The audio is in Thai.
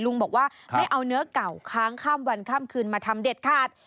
ลุงบอกว่าไม่เอาเนื้อเก่าค้างข้ามวันข้ามคืนมาทำเด็ดขาด